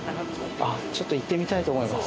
ちょっと行ってみたいと思います。